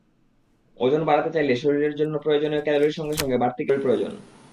ওজন বাড়াতে চাইলে শরীরের জন্য প্রয়োজনীয় ক্যালরির সঙ্গে সঙ্গে বাড়তি ক্যালরির প্রয়োজন।